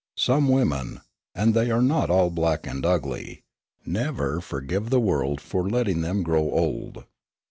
Some women and they are not all black and ugly never forgive the world for letting them grow old.